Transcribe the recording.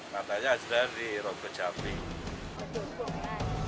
katanya sudah dirobek jauh